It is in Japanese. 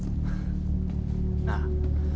なあ？